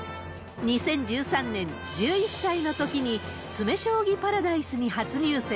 ２０１３年、１１歳のときに、詰将棋パラダイスに初入選。